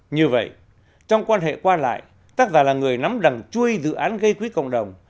như vậy trong quan hệ qua lại tác giả là người nắm đằng chui dự án gây quỹ cộng đồng